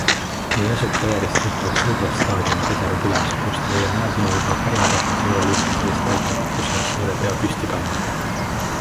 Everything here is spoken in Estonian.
Nii asub telerist tuttav suusastaadion Tesero külas, kust ei leia Mae sõnul ka parima tahtmise korral ühtki sellist paika, kus annaks suure peo püsti panna.